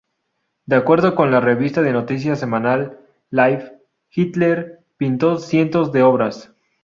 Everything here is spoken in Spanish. De acuerdo con la revista de noticias semanal Life, Hitler pintó cientos de obras.